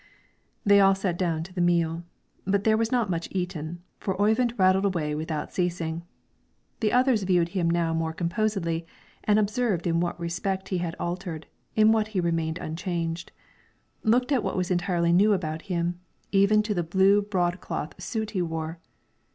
They all sat down to the meal; but there was not much eaten, for Oyvind rattled away without ceasing. The others viewed him now more composedly, and observed in what respect he had altered, in what he remained unchanged; looked at what was entirely new about him, even to the blue broadcloth suit he wore.